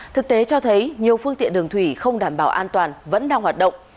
thực tế cho thấy nhiều phương tiện đường thủy không đảm bảo an toàn vẫn đang hoạt động